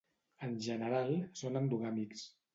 En general són endogàmics.